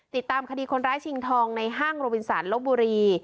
ติดตามคดีคนร้ายชิงทองในห้างโรบินสารลบบุรี